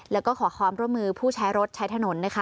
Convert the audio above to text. แล้วก็ขอความร่วมมือผู้ใช้รถใช้ถนนนะคะ